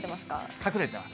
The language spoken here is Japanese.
隠れてます。